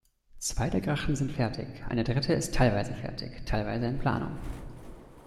Zwei der Grachten sind fertig, eine dritte ist teilweise fertig, teilweise in Planung.